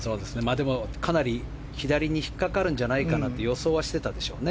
でも、かなり左に引っかかるんじゃないかと予想はしていたでしょうね。